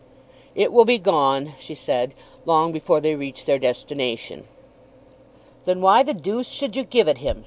"It will be gone," she said, "long before they reach their destination." "Then why the deuce should you give it him?"